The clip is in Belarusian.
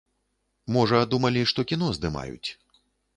Можа, думалі, што кіно здымаюць.